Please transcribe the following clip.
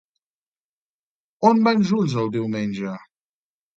On van junts el diumenge?